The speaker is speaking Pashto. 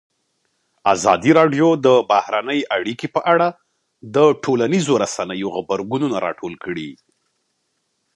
ازادي راډیو د بهرنۍ اړیکې په اړه د ټولنیزو رسنیو غبرګونونه راټول کړي.